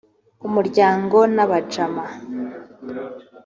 umuryango n’abajama